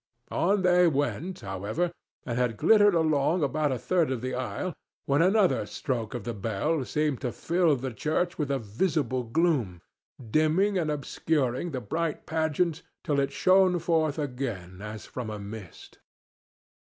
On they went, however, and had glittered along about a third of the aisle, when another stroke of the bell seemed to fill the church with a visible gloom, dimming and obscuring the bright pageant till it shone forth again as from a mist.